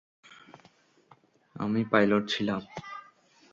আমি পায়লট ছিলাম।